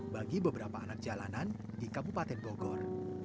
bagi beberapa anak jalanan di kabupaten bogor